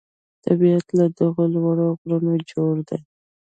طبیعت له دغو لوړو غرونو جوړ دی.